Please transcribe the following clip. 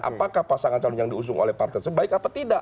apakah pasangan calon yang diusung oleh partai sebaik apa tidak